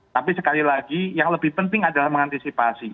tapi sekali lagi yang lebih penting adalah mengantisipasi